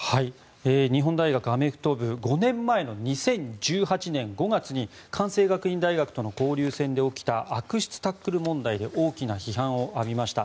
日本大学アメフト部５年前の２０１８年５月に関西学院大学との交流戦で起きた悪質タックル問題で大きな批判を浴びました。